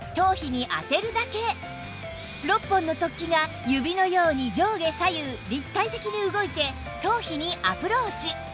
６本の突起が指のように上下左右立体的に動いて頭皮にアプローチ